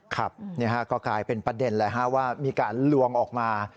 ครับก็กลายเป็นประเด็นเลยว่ามีการลวงออกมา